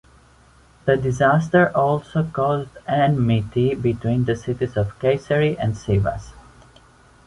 The disaster also caused enmity between the cities of Kayseri and Sivas.